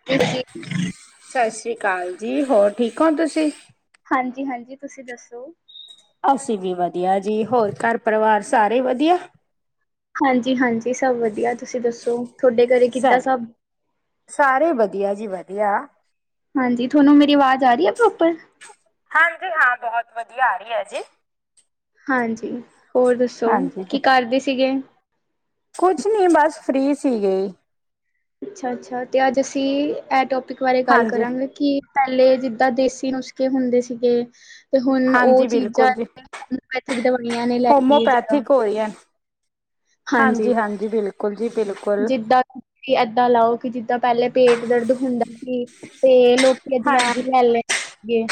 [inaudible] ਸਸ੍ਰੀ ਅਕਾਲ ਜੀ ਹੋਰ ਠੀਕ ਹੋ ਤੁਸੀਂ। ਹਾਂਜੀ- ਹਾਂਜੀ ਤੁਸੀਂ ਦੱਸੋ। ਅਸੀਂ ਵੀ ਵਧੀਆ ਜੀ, ਹੋਰ ਘਰ ਪਰਿਵਾਰ ਸਾਰੇ ਵਧੀਆ। ਹਾਂਜੀ- ਹਾਂਜੀ ਸਭ ਵਧੀਆ ਤੁਸੀਂ ਦੱਸੋ ਤੁਹਾਡੇ ਘਰੇ ਕਿੱਦਾਂ ਸਾਡੇ ਸਭ। ਸਾਰੇ ਵਧੀਆ ਜੀ ਵਧੀਆ। ਹਾਂਜੀ, ਤੁਹਾਨੂੰ ਮੇਰੀ ਆਵਾਜ਼ ਆ ਰਹੀ ਏ ਪ੍ਰੋਪਰ। ਹਾਂਜੀ ਹਾਂ ਬਹੁਤ ਵਧੀਆ ਆ ਰਹੀ ਹੈ ਜੀ। ਹਾਂਜੀ, ਹੋਰ ਦੱਸੋ ਹਾਂਜੀ ਤੇ ਕੀ ਕਰਦੇ ਸੀਗੇ। ਕੁਛ ਨੀ ਬਸ ਫ੍ਰਰੀ ਸੀਗੇ। ਅੱਛਾ- ਅੱਛਾ ਤੇ ਅੱਜ ਅਸੀਂ ਐ ਟੋਪਿਕ ਬਾਰੇ ਗੱਲ ਹਾਂਜੀ ਕਰਾਂਗੇ ਕਿ। ਪਹਿਲੇ ਜਿੱਦਾਂ ਦੇਸੀ ਨੁਸਖੇ ਹੁੰਦੇ ਸੀਗੇ ਤੇ ਹੁਣ ਉਹ ਹਾਂਜੀ ਚੀਜ਼ਾਂ ਬਿਲਕੁਲ ਜੀ ਜਿਵੇਂ ਉਹਨੂੰ ਇੱਥੇ ਖਿਡਾਉਣੀਆ ਨੇ ਲੈਂਦੀ ਜਿਦਾ। ਹੋਮੋਪੈਥਿਕ ਹੋ ਰਹੀ ਹੈ। ਹਾਂਜੀ- ਹਾਂਜੀ ਬਿਲਕੁਲ ਜੀ ਬਿਲਕੁਲ। ਵੀ ਐਦਾਂ ਲਾਓ ਕਿ ਜਿੱਦਾਂ ਪਹਿਲੇ ਪੇਟ ਦਰਦ ਹੁੰਦਾ ਸੀ ਤੇ ਲੋਕੀ ਹਾਂਜੀ ਅਜਵਾਇਨ ਲੈ ਲੈਦੇਂ ਸੀਗੇ।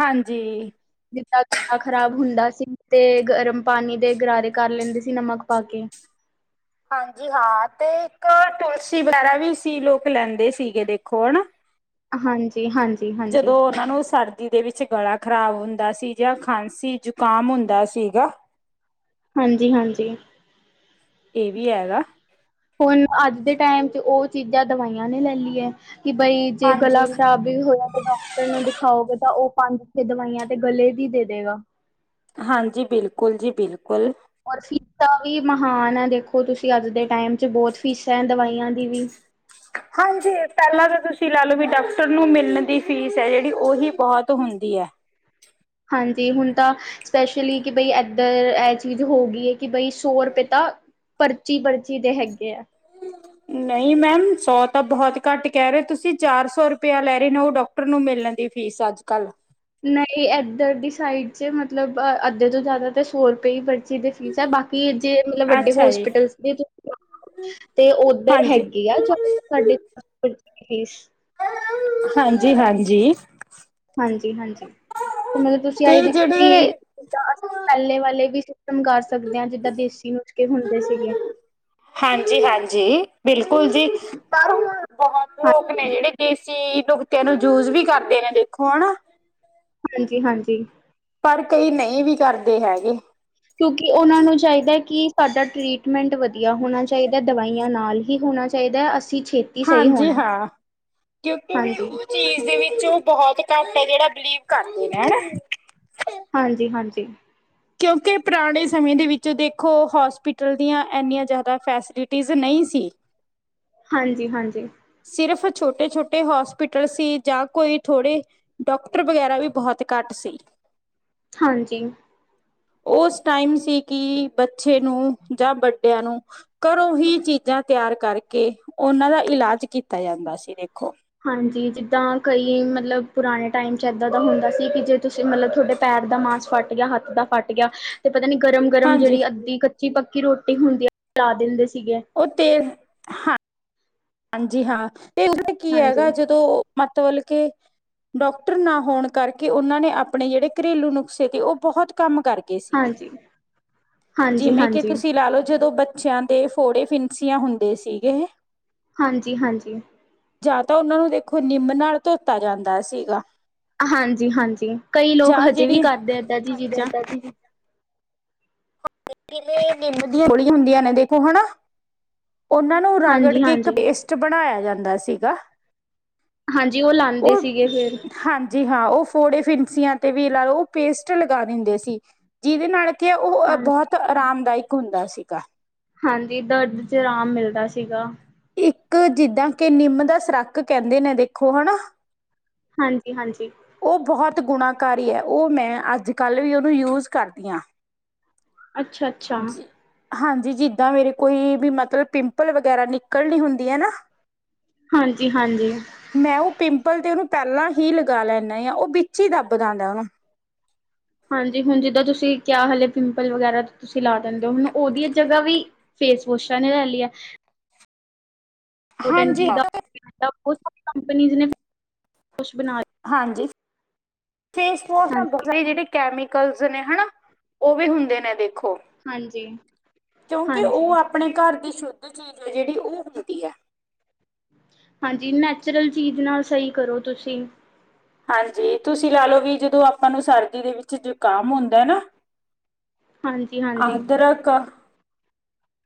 ਹਾਂਜੀ। ਜਿੱਦਾਂ ਗਲਾ ਖ਼ਰਾਬ ਹੁੰਦਾ ਸੀ ਤੇ ਗਰਮ ਪਾਣੀ ਦੇ ਗਰਾਰੇ ਕਰ ਲੈਂਦੇ ਸੀ ਨਮਕ ਪਾ ਕੇ। ਹਾਂਜੀ ਹਾਂ ਤੇ ਇੱਕ ਟੋਸੀ ਵਗੈਰਾ ਵੀ ਸੀ ਲੋਕ ਲੈਂਦੇ ਸੀਗੇ ਦੇਖੋ ਹਨਾ। ਹਾਂਜੀ। ਜੀ ਹਾਂਜੀ। ਹਾਂਜੀ, ਜਦੋਂ ਉਹਨਾਂ ਨੂੰ ਸਰ। ਜਿਹਦੇ ਵਿੱਚ ਗਲਾ ਖ਼ਰਾਬ ਹੁੰਦਾ ਸੀ ਜਾਂ ਖਾਂਸੀ ਜ਼ੁਕਾਮ ਹੁੰਦਾ ਸੀਗਾ। ਹਾਂਜੀ- ਹਾਂਜੀ। ਏ ਵੀ ਹੈਗਾ। ਹੁਣ ਅੱਜ ਦੇ ਟਾਈਮ 'ਚ ਉਹ ਚੀਜ਼ਾਂ ਦਵਾਈਆਂ ਨੇ ਲੈ ਲਈ ਹੈ ਕਿ ਬਈ ਜੇ ਗਲਾ ਹਾਂਜੀ ਖਰਾਬ। ਵੀ ਹੁਣ ਡਾਕਟਰ ਨੂੰ ਦਿਖਾਓਗੇ। ਤਾਂ ਉਹ ਪੰਜ, ਛੇ ਦਵਾਈਆਂ ਤੇ ਗਲੇ ਦੀ ਦੇ ਦੇਗਾ। ਹਾਂਜੀ! ਬਿਲਕੁਲ ਜੀ ਬਿਲਕੁਲ। ਔਰ ਫੀਸਾਂ ਵੀ ਮਹਾਨ ਹੈ। ਦੇਖੋ ਤੁਸੀ ਅੱਜ ਦੇ ਟਾਈਮ 'ਚ ਬਹੁਤ ਫੀਸਾਂ ਏਂ, ਦਵਾਈਆਂ ਦੀ ਵੀ। ਹਾਂਜੀ! ਪਹਿਲਾਂ ਤਾਂ ਤੁਸੀਂ ਲੈ ਲਓ ਵੀ ਡਾਕਟਰ ਨੂੰ ਮਿਲਨ ਦੀ ਫੀਸ ਹੈ ਜਿਹੜੀ, ਓਹੀ ਬਹੁਤ ਹੁੰਦੀ ਹੈ। ਹਾਂਜੀ! ਹੁਣ ਤਾਂ ਸਪੈਸ਼ਲੀ, ਕਿ ਬਈ ਏਧਰ ਇਹ ਚੀਜ ਹੋ ਗਈ ਕਿ ਬਈ ਸੌ ਰੁਪਏ ਤਾਂ ਪਰਚੀ-ਪਰਚੀ ਦੇ ਹੈਗੇ ਹੈ। ਨਹੀਂ ਮੈਮ, ਸੌ ਤਾਂ ਬਹੁਤ ਘੱਟ ਕਹਿ ਰਹੇ ਹੋ ਤੁਸੀ। ਚਾਰ ਸੌ ਰੁਪਇਆ ਲੈ ਰਹੇ ਨੇ। ਉਹ ਡਾਕ ਡੋਕਟਰ ਨੂੰ ਮਿਲਣ ਦੀ ਫੀਸ ਅੱਜ-ਕੱਲ। ਨਹੀਂ ਏਧਰ ਦੀ ਸਾਈਡ 'ਚ ਮਤਲਬ, ਅੱਧੇ ਤੋ ਜਿਆਦਾ ਤਾਂ ਸੌ ਰੁਪਏ ਹੀ ਬ ਪਰਚੀ ਦੀ ਫੀਸ ਹੈ। ਬਾਕੀ ਜੇ ਮਤਲਬ ਵੱਡੇ ਅੱਛਾ ਜੀ ਹੋਸਪਿਟਲਸ ਦੀ ਤੇ ਤੇ ਉੱਧਰ ਹਾਂਜੀ ਹੈਗੇ ਆ [inaudible] ਹਾਂਜੀ-ਹਾਂਜੀ। ਹਾਂਜੀ-ਹਾਂਜੀ, ਤੇ ਮਤਲਬ ਤੁਸੀ [inaudible] ਤੇ ਜਿੱਦਾਂ ਜਿਹੜੇ ਅਸੀ, ਪਹਿਲੇ ਵਾਲੇ ਵੀ ਸਿਸਟਮ ਕਰ ਸਕਦੇ ਹਾਂ, ਜਿੱਦਾਂ ਦੇਸੀ ਨੁਸਕੇ ਹੁੰਦੇ ਸੀਗੇ। ਹਾਂਜੀ-ਹਾਂਜੀ। ਬਿਲਕੁਲ ਜੀ, ਪਰ ਹੁਣ ਬਹੁਤ ਲੋਕ ਨੇਂ ਹਾਂਜੀ ਜਿਹੜੇ ਦੇਸੀ ਦੁਕ ਤੇ ਓਹਨੂੰ ਯੂਜ਼ ਵੀ ਕਰਦੇ ਨੇਂ ਦੇਖੋ, ਹਨਾ। ਹਾਂਜੀ। ਪਰ, ਕਈ ਨਹੀਂ ਵੀ ਕਰਦੇ ਹੈਗੇ। ਕਿਉਂਕਿ ਉਹਨਾਂ ਨੂੰ ਚਾਹੀਦਾ ਹੈ, ਕਿ ਸਾਡਾ ਟਰੀਟਮੈਂਟ ਵਧੀਆ ਹੋਉਨਾ ਚਾਹੀਦਾ। ਦਵਾਈਆਂ ਨਾਲ ਹੀ ਹੋਉਨਾ 'ਚ ਚਾਹੀਦਾ ਏ, ਅੱਸੀ ਛੇਤ ਹਾਂਜੀ ਹਾਂ, ਕਿਉਂਕਿ ਬਈ ਹਾਂਜੀ ਚੀਜ ਦੇ ਵਿੱਚ, ਉਹ ਬਹੁਤ ਘੱਟ ਹੈ ਜਿਹੜਾ ਬਿਲੀਵ ਕਰਦੇ ਨੇਂ, ਹਨਾ। ਹਾਂਜੀ-ਹਾਂਜੀ। ਕਿਉਂਕਿ ਪੁਰਾਣੇ ਸਮੇਂ ਦੇ ਵਿੱਚ ਦੇਖੋ, ਹੋਸਪਿਟਲ ਦੀਆਂ ਇੰਹਨੀਆਂ ਜਿਆਦਾ ਫੈਸਿਲਿਟੀਜ਼ ਨਹੀਂ ਸੀ। ਹਾਂਜੀ-ਹਾਂਜੀ। ਸਿਰਫ ਛੋਟੇ-ਛੋਟੇ ਹੋਸਪਿਟਲ ਸੀ। ਜਾਂ ਕੋਈ ਥੋੜੇ ਡਾਕਟਰ ਵਗੈਰਾ ਵੀ, ਬਹੁਤ ਘੱਟ ਸੀ। ਹਾਂਜੀ। ਉਸ ਟਾਈਮ ਸੀ, ਕਿ ਬੱਚੇ ਨੂੰ ਜਾਂ ਵੱਡਿਆਂ ਨੂੰ ਘਰੋਂ ਹੀ ਚੀਜਾਂ ਤਿਆਰ ਕਰਕੇ, ਉਹਨਾਂ ਦਾ ਇਲਾਜ ਕੀਤਾ ਜਾਂਦਾ ਸੀ, ਦੇਖੋ। ਹਾਂਜੀ, ਜਿੱਦਾਂ ਕਈ ਮਤਲਬ ਪੁਰਾਣੇ ਟਾਈਮ 'ਚ, ਇੱਦਾਂ ਦਾ ਹੁੰਦਾ ਸੀ। ਕਿ ਜੇ ਤੁਸੀ, ਮਤਲਬ ਤੁਹਾਡੇ ਪੈਰ ਦਾ ਮਾਸ ਫੱਟ ਗਿਆ, ਹੱਥ ਦਾ ਫੱਟ ਗਿਆ ਤੇ ਪਤਾ ਨੀ ਗਰਮ-ਗਰਮ ਹਾਂਜੀ ਜਿਹੜੀ, ਅੱਧੀ ਕੱਚੀ-ਪੱਕੀ ਰੋਟੀ ਹੁੰਦੀ ਏ, [inaudible] ਲਾ ਦਿੰਦੇ ਸੀਗੇ। ਉਹ ਤੇਲ, ਹਾਂ। ਹਾਂਜੀ ਹਾਂ, ਤੇ ਓਹ ਤੇ ਕੀ ਹਾਂਜੀ, ਹੈਗਾ, ਜਦੋ ਮਤਬਲ ਕੇ ਡਾਕਟਰ ਨਾ ਹੋਣ ਕਰਕੇ, ਉਹਨਾਂ ਨੇਂ ਆਪਣੇ ਜਿਹੜੇ ਘਰੇਲੂ ਨੁਕਸੇ ਤੇ, ਉਹ ਬਹੁਤ ਕੰਮ ਕਰ ਗ ਗਏ ਸੀਗੇ। ਹਾਂਜੀ, ਹਾਂਜੀ, ਹਾਂਜੀ। ਜਿਵੇਂ ਕਿ ਹਾਂਜੀ, ਤੁਸੀ ਲਾ ਲਓ, ਜਦੋਂ ਬ ਚਿਆਂ ਦੇ, ਫੋੜੇ ਫਿਨਸੀਆਂ ਹੁੰਦੇ ਸੀਗੇ। ਹਾਂਜੀ-ਹਾਂਜੀ। ਜਾਂ ਤਾਂ ਉਹਨਾਂ ਨੂੰ ਦੇਖੋ, ਨਿੰਮ ਨਾਲ ਧੋਤਾ ਜਾਂਦਾ ਸੀਗਾ। ਹਾਂਜੀ-ਹਾਂਜੀ, ਕਈ ਲੋਕ ਜਾਂ ਹਜੇ ਵੀ ਜਿਹੜੀ ਕਰਦੇ ਹੈਂ, ਇਹਦਾਂ ਦੀ ਚੀਜਾਂ। [inaudible] ਜਿਵੇਂ ਨਿੰਮ ਦੀਆਂ [inaudible] ਗੋਲੀਆਂ ਹੁੰਦੀਆਂ ਨੇਂ ਦੇਖੋ, ਹੇਨਾ। ਉਹਨਾਂ ਨੂੰ ਰਗੜ ਹਾਂਜੀ, ਕੇ, ਇੱਕ ਹਾਂਜੀ, ਪੇਸਟ ਬਣਾਇਆ ਜਾਂਦਾ ਸੀਗਾ। ਹਾਂਜੀ, ਉਹ ਲਾਉਂਦੇ ਸੀਗੇ ਫਿਰ। ਜੀ ਹਾਂ, ਉਹ ਫੋੜੇ ਫਿਨਸੀਆਂ ਤੇ ਵੀ ਲਾ ਲਓ, ਉਹ ਪੇਸਟ ਲਗਾ ਦਿੰਦੇ ਸੀ। ਜਿਹਦੇ ਨਾਲ ਕਿ ਉਹ ਹਾਂਜੀ। ਬਹੁਤ, ਆਰਾਮਦਾਇਕ ਹੁੰਦਾ ਸੀਗਾ। ਹਾਂਜੀ, ਦਰਦ 'ਚ ਆਰਾਮ ਮਿਲਦਾ ਸੀਗਾ। ਇੱਕ ਜਿੱਦਾਂ ਕਿ ਨਿੰਮ ਦਾ ਸਰਾੱਕ ਕਹਿੰਦੇ ਨੇ ਦੇਖੋ, ਹਨਾ। ਹਾਂਜੀ, ਹਾਂਜੀ। ਉਹ ਬਹੁਤ ਗੁਣਾਕਾਰੀ ਹੈ। ਉਹ ਮੈਂ ਅੱਜ ਕੱਲ੍ਹ ਵੀ, ਉਹਦਾ ਯੂਜ਼ ਕਰਦੀ ਹਾਂ। ਅੱਛਾ, ਅੱਛਾ। ਹਾਂਜੀ, ਜਿੱਦਾਂ ਮੇਰੇ ਕੋਈ ਵੀ ਮਤਲਬ, ਪਿੰਪਲ ਵਗੈਰਾ ਨਿਕਲਣੀ ਹੁੰਦੀ ਹੈ ਨਾ ਹਾਂਜੀ, ਹਾਂਜੀ। ਮੈਂ ਉਹ ਪਿੰਪਲ ਤੇ ਉਹਨੂੰ ਪੈਲਾਂ ਹੀ ਲਗਾ ਲੈਂਦਾ ਆ ਉਹ ਵਿੱਚ ਹੀ ਦੱਬ ਜਾਦਾ ਨਾ। ਹਾਂਜੀ ਹੁਣ ਜਿੱਦਾਂ ਤੁਸੀਂ ਕਿਆ ਹਾਲੇ ਪਿੰਪਲ ਵਗੈਰਾ ਤੁਸੀਂ ਲਾ ਦਿੰਦੇ ਹੋ ਹੁਣ ਉਹਦੀਆਂ ਜਗ੍ਹਾ ਵੀ ਫੇਸ ਵੋਸ਼ਾਂ ਨੇ ਲੈ ਲੀਐ। ਹਾਂਜੀ [unintelligible] ਦਾ ਕੰਪਨੀ ਨੇ ਕੁਛ ਬਣਾ ਹਾਂਜੀ ਫੇਸ ਵੋਸ਼ ਹਾਂਜੀ-ਹਾਂਜੀ-ਹਾਂਜੀ। ਜਿਹੜੇ ਕੈਮੀਕਲਸ ਨੇ ਹਨਾ ਉਹ ਵੀ ਹੁੰਦੇ ਨੇ। ਦੇਖੋ ਹਾਂਜੀ ਕਿਉਂਕਿ ਉਹ ਹਾਂਜੀ ਆਪ ਆਪਣੇ ਘਰ ਦੀ ਸ਼ੁੱਧ ਚੀਜ਼ ਹੈ ਜਿਹੜੀ ਉਹ ਹੁੰਦੀ ਹੈ। ਹਾਂਜੀ ਨੈਚੁਰਲ ਚੀਜ਼ ਨਾਲ ਸਹੀ ਕਰੋ ਤੁਸੀਂ। ਹਾਂਜੀ ਤੁਸੀਂ ਲਾ ਲਓ ਵੀ ਜਦੋਂ ਆਪਾਂ ਨੂੰ ਸਰਦੀ ਦੇ ਵਿੱਚ ਜ਼ੁਕਾਮ ਹੁੰਦਾ ਨਾ ਹਾਂਜੀ-ਹਾਂਜੀ। ਆਦਰਕ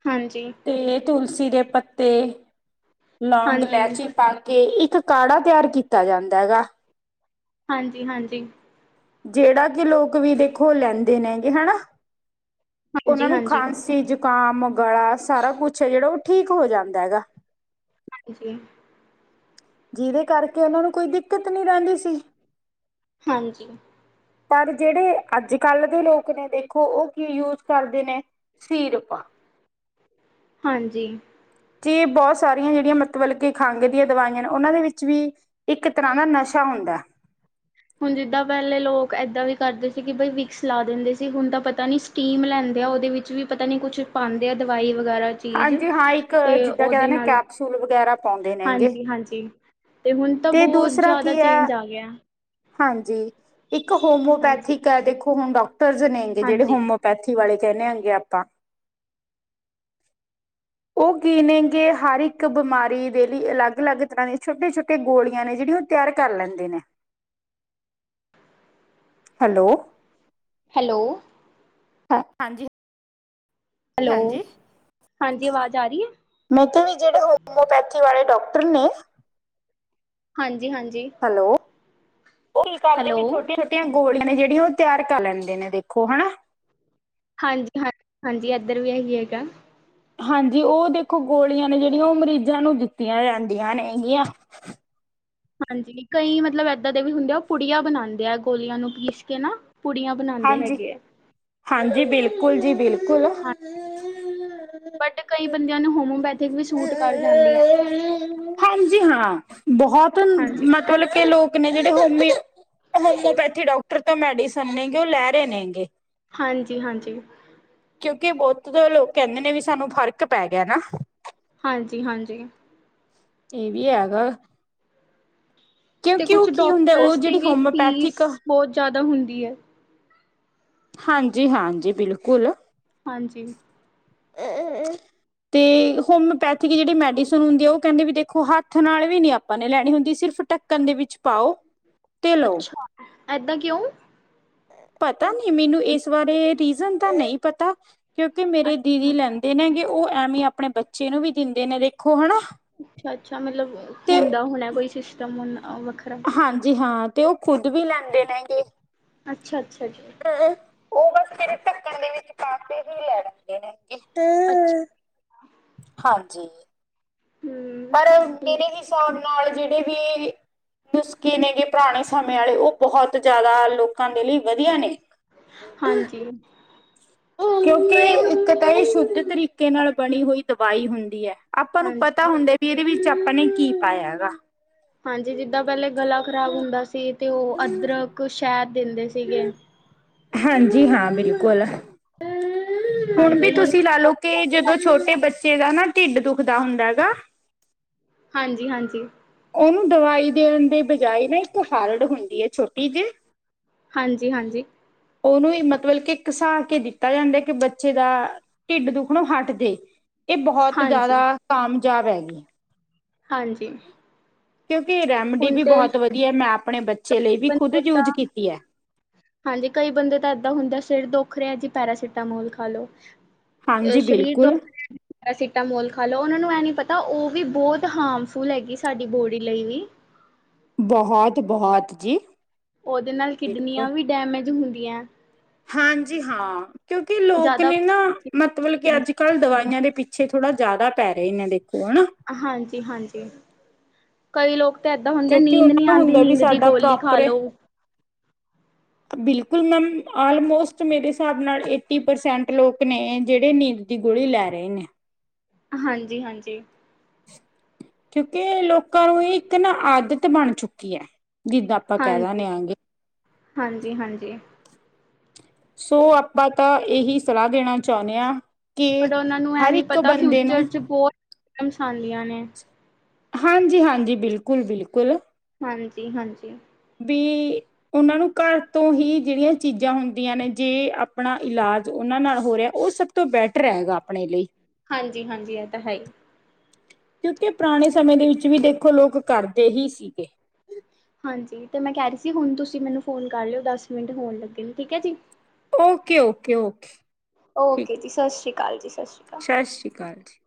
ਹਾਂਜੀ। ਤੇ ਤੁਲਸੀ ਦੇ ਪੱਤੇ ਲੌਂਗ ਲੈਚੀ ਪ ਕੇ ਇੱਕ ਕਾੜਾ ਤਿਆਰ ਕੀਤਾ ਜਾਂਦਾ ਉਹਦਾ ਹਾਂਜੀ, ਹਾਂਜੀ। ਜਿਹੜਾ ਕਿ ਲੋਕ ਵੀ ਦੇਖੋ ਲੈਂਦੇ ਨੇਗੇ ਹਨਾ। ਉਹਨਾਂ ਨੂੰ ਹਾਂਜੀ-ਹਾਂਜੀ-ਹਾਂਜੀ-ਹਾਂਜੀ-ਹਾਂਜੀ-ਹਾਂਜੀ-ਹਾਂਜੀ। ਖਾਂਸੀ ਜ਼ੁਕਾਮ ਗਲਾ ਸਾਰਾ ਕੁਛ ਹੈ ਜਿਹੜਾ ਉਹ ਠੀਕ ਹੋ ਜਾਂਦਾ ਹੈਗਾ। ਹਾਂਜੀ। ਜੀਹਦੇ ਕਰਕੇ ਉਹਨਾਂ ਨੂੰ ਕੋਈ ਦਿੱਕਤ ਨਹੀਂ ਰਹਿੰਦੀ ਸੀ। ਹਾਂਜੀ। ਪਰ ਜੇੜੇ ਅੱਜ ਕੱਲ ਦੇ ਲੋਕ ਨੇ ਦੇਖੋ ਉਹ ਕੀ ਯੂਜ ਕਰਦੇ ਨੇ ਸੀਰਪਾ ਹਾਂਜੀ। ਤੇ ਬੋਤ ਸਾਰੀਆਂ ਜਿਹੜੀਆਂ ਮਤਲਬ ਕਿ ਖੰਘ ਦੀਆਂ ਦਵਾਈਆਂ ਨੇ ਉਹਨਾਂ ਦੇ ਵਿੱਚ ਵੀ ਇੱਕ ਤਰ੍ਹਾਂ ਦਾ ਨਸ਼ਾ ਹੁੰਦਾ। ਹੁਣ ਜਿੱਦਾਂ ਪੈਲੇ ਲੋਕ ਏਦਾਂ ਵੀ ਕਰਦੇ ਸੀ। ਕਿ ਬਈ ਵਿਕਸ ਲਾ ਦਿੰਦੇ ਸੀ ਹੁਣ ਤਾਂ ਪਤਾ ਨਹੀਂ ਸਟੀਮ ਲੈਂਦੇ ਆ ਉਹਦੇ ਵਿੱਚ ਵੀ ਪਤਾ ਨਹੀਂ ਕੁਛ ਪਾਂਦੇ ਆ ਦਵਾਈ ਵਗੈਰਾ 'ਚ ਚੀਜ਼ ਹਾਂਜੀ ਹਾਂ ਇੱਕ ਤੇ ਜਿੱਦਾਂ ਕਹਿ ਉਹਦੇ ਦਿੰਦੇ ਨਾਲ ਕੈਪਸੂਲ ਵਗੈਰਾ ਪਾਉਂਦੇ ਨੇਗੇ। ਹਾਂਜੀ, ਹਾਂਜੀ। ਤੇ ਹੁਣ ਤਾਂ ਤੇ ਬੋਤ ਦੂਸਰਾ ਜ਼ਿਆਦਾ ਕੀ ਹੈ ਚੇਂਜ ਆ ਗਿਆ। ਹਾਂਜੀ ਇੱਕ ਹਾਂਜੀ ਹੋਮਿਓਪੈਥਿਕ ਹੈ ਦੇਖੋ ਹੁਣ ਡਾਕਟਰਸ ਨੇਗੇ ਜੇੜੇ ਹਾਂਜੀ ਹੋਮਿਓਪੈਥਿਕ ਵਾਲੇ ਕਹਿੰਦੇ ਹਾਂਗੇ ਆਪਾਂ ਉਹ ਕੀ ਨੇਗੇ ਹਰ ਇੱਕ ਬਿਮਾਰੀ ਦੇ ਲਈ ਅਲੱਗ, ਅਲੱਗ ਤਰ੍ਹਾਂ ਦੀਆਂ ਛੋਟੇ, ਛੋਟੇ ਗੋਲੀਆਂ ਨੇ ਜਿਹੜੀਆਂ ਤਿਆਰ ਕਰ ਲੈਂਦੇ ਨੇ ਹੈਲੋ। ਹੈਲੋ। ਹਾਂਜੀ। ਹੈਲੋ ਹਾਂਜੀ ਆਵਾਜ਼ ਆ ਰਹੀ ਏ। ਮੈਂ ਕਿਹਾ ਵੀ ਜਿਹੜੇ ਹੋਮਓਪੈਥਿਕ ਵਾਲੇ ਡਾਕਟਰ ਨੇ ਹਾਂਜੀ, ਹਾਂਜੀ। ਹੈਲੋ ਘਰ ਕਰਦੇ ਹੈਲੋ ਵੀ ਛੋਟੀ ਟੀਆਂ ਗੋਲੀਆਂ ਨੇ ਜਿਹੜੀਆਂ ਉਹ ਤਿਆਰ ਕਰ ਲੈਂਦੇ ਨੇ ਦੇਖੋ ਹਨਾ। ਹਾਂਜੀ ਹਾਂ ਹਾਂਜੀ ਇੱਧਰ ਵੀ ਹੈ ਹੀ ਹੈਗਾ। ਹਾਂਜੀ ਉਹ ਦੇਖੋ ਗੋਲੀਆਂ ਨੇ ਜਿਹੜੀਆਂ ਉਹ ਮਰੀਜ਼ਾਂ ਨੂੰ ਦਿੱਤੀਆਂ ਜਾਂਦੀਆਂ ਨੇ ਹੈਗੀਆਂ। ਹਾਂਜੀ ਕਈ ਮਤਲਬ ਏਦਾਂ ਦੇ ਵੀ ਹੁੰਦੇ ਆ ਪੁੜੀਆਂ ਬਣਾਦੇ ਆ ਗੋਲੀਆਂ ਨੂੰ ਪੀਸ ਕੇ ਨਾ ਪੁੜੀਆਂ ਬਣਾਉਂਦੇ ਹਾਂਜੀ, ਹੈਗੇ ਹਾਂਜੀ ਬਿਲਕੁਲ ਜੀ, ਬਿਲਕੁਲ। ਆ ਬਟ ਕਈ ਬੰਦਿਆਂ ਨੂੰ ਹੋਮਓਪੈਥਿਕ ਵੀ ਸੂਟ ਕਰ ਜਾਂਦੀਆ। ਹਾਂਜੀ ਹਾਂ, ਬਹੁਤ ਹਾਂਜੀ। ਮਤਲਬ ਕੇ ਲੋਕ ਲੋਕ ਨੇ ਜੇੜੇ ਹੋਮਿ-ਹੋਮਿਓਪੈਥੀ ਡੋਕਟਰ ਤੋਂ ਮੈਡੀਸਨ ਨੇ ਗੇ ਓ ਲੈ ਰੇ ਨੇ ਗੇ। ਹਾਂਜੀ- ਹਾਂਜੀ। ਕਿਉਂਕਿ ਬਹੁਤ ਤੋਂ ਲੋਕ ਕੈਂਦੇ ਨੇ ਵੀ ਸਾਨੂੰ ਫ਼ਰਕ ਪੈ ਗਿਆ ਨਾ। ਹਾਂਜੀ- ਹਾਂਜੀ। ਏ ਵੀ ਹੈਗਾ। ਤੇ ਕਿਉਂਕਿ ਕੁਛ ਉਹ ਕੀ ਹੁੰਦਾ ਉਹ ਡੋਕਟਰਸ ਦੀ ਜਿਹੜੀ ਵੀ ਫੀਸ ਹੋਮਿਓਪੈਥਿਕ ਬੋਤ ਜਾਦਾ ਹੁੰਦੀ ਏ। ਹਾਂਜੀ- ਹਾਂਜੀ, ਬਿਲਕੁਲ। ਹਾਂਜੀ। [inaudible] ਤੇ ਹੋਮਿਓਪੈਥਿਕ ਜੇੜੀ ਮੈਡੀਸਨ ਹੁੰਦੀ ਏ ਓ ਕੈਂਦੇ ਨੇ ਵੀ ਦੇਖੋ ਹੱਥ ਨਾਲ ਵੀ ਨੀ ਆਪਾਂ ਨੇ ਲੈਣੀ ਹੁੰਦੀ ਸਿਰਫ ਢੱਕ ਕੰਨ ਦੇ ਵਿੱਚ ਪਾਓ। ਤੇ ਲਓ ਅੱਛਾ! ਐਦਾਂ ਕਿਉਂ? ਪਤਾ ਨੀ ਮੈਨੂੰ ਇਸ ਬਾਰੇ, ਰੀਜ਼ਨ ਤਾਂ ਨਈ ਪਤਾ। ਕਿਉਂਕਿ ਮੇਰੇ ਦੀਦੀ ਅੱਛਾ, ਲੈਂਦੇ ਨੇ ਗੇ ਓ ਐਵੇਂ ਅਪਣੇ ਬੱਚੇ ਨੂੰ ਵੀ ਦਿੰਦੇ ਨੇ, ਦੇਖੋ ਹਣਾ। ਅੱਛਾ- ਅੱਛਾ। ਮਤਲਬ ਹੁੰਦਾ ਹੋਣਾ ਕੋਈ ਸਿਸਟਮ ਹੁਨ ਵੱਖਰਾ। ਹਾਂਜੀ- ਹਾਂ। ਤੇ ਓ ਖੁਦ ਵੀ ਲੈਂਦੇ ਨੈ ਗੇ। ਅੱਛਾ- ਅੱਛਾ ਜੀ। ਓ ਬਸ ਫੇਰ ਢਕਨ ਦੇ ਵਿੱਚ ਪਾ ਕੇ ਹੀ ਲੈਦੇ ਨੇ ਗੇ। ਅੱਛ ਹਾਂਜੀ। ਹੂੰ। ਪਰ ਮੇਰੇ ਹਿਸਾਬ ਨਾਲ ਜੇੜੇ ਵੀ ਨੁਸਖੇ ਨੇ ਗੇ ਪੁਰਾਣੇ ਸਮੇਂ ਆਲੇ ਓ ਬਹੁਤ ਜਾਦਾ ਲੋਕਾਂ ਦੇ ਲਈ ਵਧੀਆ ਨੇ। [inaudible] ਕਿਉਂਕ ਕਈ ਇੱਕ ਤਾਂ ਏ ਸ਼ੁੱਧ ਤਰੀ ਕੇ ਨਾਲ ਬਣੀ ਹੋਈ ਦਵਾਈ ਹੁੰਦੀ ਐ। ਆਪਾਂ ਨੂੰ ਪਤਾ ਹਾਂਜੀ। ਹੁੰਦਾ ਵੀ ਏਦੇ ਵਿੱਚ ਆਪਾਂ ਨੇ ਕੀ ਪਾਇਆ ਹੈਗਾ। ਹਾਂਜੀ ਜਿੱਦਾਂ ਪੈਲੇ ਗਲਾ ਖ਼ਰਾਬ ਹੁੰਦਾ ਸੀ ਤੇ ਓ ਅਦਰਕ, ਸ਼ੈਦ ਦਿੰਦੇ ਸੀਗੇ। ਹਾਂਜੀ-ਹਾਂ ਬਿਲਕੁਲ। ਹੁਣ ਵੀ ਤੁਸੀਂ ਲਾ ਲਓ ਕੇ ਜਦੋਂ ਛੋਟੇ ਬੱਚੇ ਦਾ ਨਾ ਢਿੱਡ ਦੁੱਖਦਾ ਹੁੰਦਾ ਹੈਗਾ ਹਾਂਜੀ- ਹਾਂਜੀ। ਓਨੂੰ ਦਵਾਈ ਦੇਣ ਦੇ ਬਜਾਏ ਨਾ ਇੱਕ ਹਰੜ ਹੁੰਦੀ ਏ ਛੋਟੀ ਜੀ। ਹਾਂਜੀ- ਹਾਂਜੀ। ਓਨੂੰ ਹੀ ਮਤਬਲ ਕਿ ਘਿਸਾ ਕੇ ਦਿੱਤਾ ਜਾਂਦਾ ਕਿ ਬੱਚੇ ਦਾ ਢਿੱਡ ਦੁੱਖ ਨੂੰ ਹੱਟ ਜੇ, ਏ ਬਹੁਤ ਹਾਂਜੀ, ਜਾਦਾ ਕਾਮਜਾਬ ਹੈਗੀ। ਹਾਂਜੀ। ਕਿਉਂਕਿ ਰੈਮਡੀ ਹੁਣ ਵੀ ਤੇ ਬਹੁਤ ਵਧੀਐ, ਮੈਂ ਅਪਣੇ ਬੱਚੇ ਲਈ ਵੀ ਖੁਦ ਬੰਦੇ ਦਾ ਯੂਜ ਕੀਤੀ ਐ। ਹਾਂਜੀ, ਕਈ ਬੰਦੇ ਤਾਂ ਐਦਾਂ ਹੁੰਦੇ ਐ ਸਿਰ ਦੁੱਖ ਰਿਆ ਜੀ ਪੈਰਾਸੀਟਾਮੋਲ ਖਾਲੋ। ਅ ਹਾਂਜੀ ਸ਼ਰੀਰ ਦੁਖ ਬਿਲਕੁਲ ਰਿਆ ਪੈਰਾਸੀਟਾਮੋਲ ਖਾਲੋ। ਓਨਾਂ ਨੂੰ ਐ ਨੀ ਪਤਾ ਓ ਵੀ ਬੋਤ ਹਾਰਮਫੁੱਲ ਹੈਗੀ ਸਾਡੀ ਬੋਡੀ ਲਈ ਵੀ। ਬਹੁਤ- ਬਹੁਤ ਜੀ। ਓਦੇ ਨਾਲ ਬਿਲਕੁਲ ਕਿਡਨੀਆਂ ਵੀ ਡੈਮੇਜ ਹੁੰਦੀਐ। ਹਾਂਜੀ- ਹਾਂ ਕਿਉਂਕਿ ਲੋਕ ਜ਼ਿਆਦਾ ਨੇ ਨਾ ਮਤਬਲ ਕਿ ਅੱਜ ਕੱਲ ਦਵਾਈਆਂ ਦੇ ਪਿੱਛੇ ਥੋੜ੍ਹਾ ਜਾਦਾ ਪੈ ਰੇ ਨੇ ਦੇਖੋ ਹਣਾ। ਹਾਂਜੀ- ਹਾਂਜੀ। ਕਈ ਲੋਕ ਤਾਂ ਏਦਾਂ ਹੁੰਦੇ ਕਿਉਂਕਿ ਨੀਂਦ ਨੀ ਉਹਨਾਂ ਨੂੰ ਆਂਦੀ ਹੁੰਦਾ ਵੀ ਨੀਂਦ ਦੀ ਸਾਡਾ ਗੋਲੀ ਖਾ ਪ੍ਰੋਪਰ ਲੋ। [inaudible] ਬਿਲਕੁਲ ਮੈਮ ਆਲਮੋਸਟ ਮੇਰੇ ਹਿਸਾਬ ਨਾਲ ਏਟੀ ਪਰਸੈਂਟ ਲੋਕ ਨੇ ਜਿਹੜੇ ਨੀਦ ਦੀ ਗੋਲੀ ਲੈ ਰਹੇ ਨੇ। ਹਾਂਜੀ- ਹਾਂਜੀ। ਕਿਉਂਕਿ ਲੋਕਾਂ ਨੂੰ ਇੱਕ ਨਾ ਆਦਤ ਬਨ ਚੁੱਕੀ ਐ, ਜਿੱਦਾਂ- ਆਪਾਂ ਕਹਿ ਹਾਂਜੀ, ਦਿੰਦੇ ਆਂਗੇ ਹਾਂਜੀ- ਹਾਂਜੀ। ਸੋ ਆਪਾਂ ਤਾਂ ਇਹੀ ਸਲਾਹ ਦੇਨਾ ਚਾਹੁੰਨੇ ਆ। ਪਰ ਉਹਨਾਂ ਨੂੰ ਇਹ ਨੀ ਪਤਾ ਫਿਊਚਰ ਨੂੰ ਚ ਬੋਤ ਪਰੇ ਸਾ਼ਨੀਆਂ ਨੇ। ਹਾਂਜੀ- ਹਾਂਜੀ ਬਿਲਕੁਲ- ਬਿਲਕੁਲ। ਹਾਂਜੀ- ਹਾਂਜੀ। ਬੀ, ਉਹਨਾਂ ਨੂੰ ਘਰ ਤੋਂ ਹੀ ਜਿਹੜੀਆਂ ਚੀਜ਼ਾਂ ਹੁੰਦੀਆਂ ਨੇ ਜੇ ਆਪਨਾ ਇਲਾਜ ਉਹਨਾਂ ਨਾਲ ਹੋ ਰਿਹਾ ਉ ਸਭ ਤੋਂ ਬੈਟਰ ਰਹੈਗਾ ਆਪਣੇ ਲਈ। ਹਾਂਜੀ- ਹਾਂਜੀ ਇਹ ਤਾਂ ਐ ਹੀ। ਕਿਉਂਕਿ ਪੁਰਾਣੇ ਸਮੇਂ ਦੇ ਵਿੱਚ ਵੀ ਦੇਖੋ ਲੋਕ ਕਰਦੇ ਹੀ ਸੀਗੇ। ਹਾਂਜੀ ਤੇ ਮੈਂ ਕਹਿ ਰਹੀ ਸੀ ਹੁਣ ਤੁਸੀਂ ਮੈਨੂੰ ਫੋਨ ਕਰ ਲਿਓ ਦਸ ਮਿੰਟ ਹੋਣ ਲੱਗੇ ਨੇ ਠੀਕ ਹੈ ਜੀ। ਓਕੇ- ਓਕੇ, ਓਕੇ ਓਕੇ ਜੀ ਸਤਿ ਸ਼੍ਰੀ ਅਕਾਲ ਜੀ, ਸਤਿ ਸ਼੍ਰੀ ਅਕਾਲ। ਸਤਿ ਸ਼੍ਰੀ ਅਕਾਲ ਜੀ।